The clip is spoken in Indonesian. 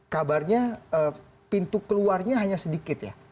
kabarnya pintu keluarnya hanya sedikit ya